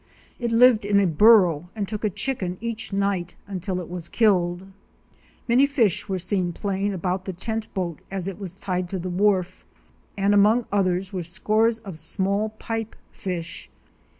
It lived in a burrow and took a chicken each night until it was killed. Many fish were seen playing about the tent boat as it was tied to the wharf, and among others were scores of small pipe fish.